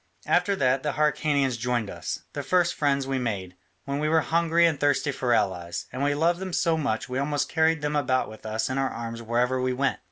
After that the Hyrcanians joined us, the first friends we made, when we were hungry and thirsty for allies, and we loved them so much we almost carried them about with us in our arms wherever we went.